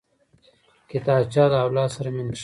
کتابچه له اولاد سره مینه ښيي